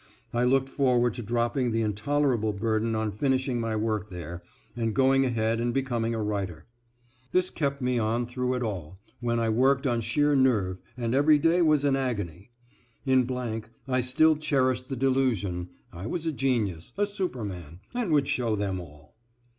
I looked forward to dropping the intolerable burden on finishing my work there, and going ahead and becoming a writer. This kept me on through it all, when I worked on sheer nerve and every day was an agony. In I still cherished the delusion I was a genius, a superman, and would show them all.